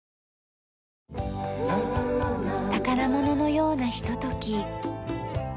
宝物のようなひととき。